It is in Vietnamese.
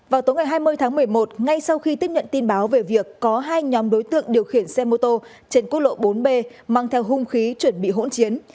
vào tối ngày hai mươi tháng một mươi một ngay sau khi tiếp nhận tin báo về việc có hai nhóm đối tượng điều khiển xe mô tô trên quốc lộ bốn b mang theo hung khí chuẩn bị hỗn chiến